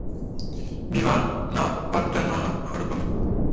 Bývá napadána chorobami.